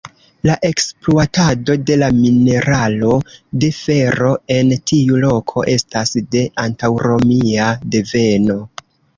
La ekspluatado de la mineralo de fero en tiu loko estas de antaŭromia deveno.